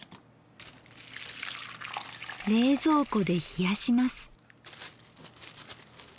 冷蔵庫で冷やします。